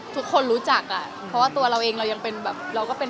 ทุกคนรู้จักอ่ะเพราะว่าตัวเราเองเรายังเป็นแบบเราก็เป็น